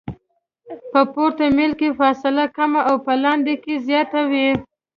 په پورته میل کې فاصله کمه او په لاندې کې زیاته وي